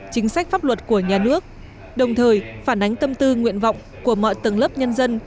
chính sách pháp luật của nhà nước đồng thời phản ánh tâm tư nguyện vọng của mọi tầng lớp nhân dân